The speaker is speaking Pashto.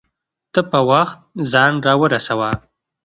ته په وخت ځان راورسوه